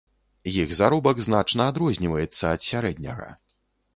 Іх заробак значна адрозніваецца ад сярэдняга.